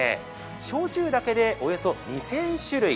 焼酎だけでおよそ２０００種類。